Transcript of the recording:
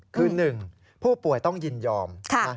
คือ๑ผู้ป่วยต้องยินยอม